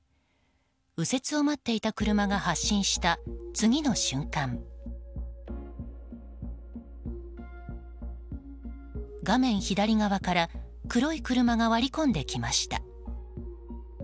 右折を待っていた車が発進した次の瞬間画面左側から黒い車が割り込んできました。